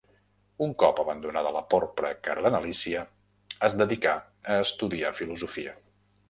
Un cop abandonada la porpra cardenalícia, es dedicà a estudiar filosofia.